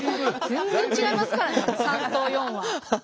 全然違いますからね３と４は。